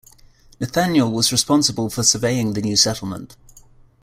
Nathaniel was responsible for surveying the new settlement.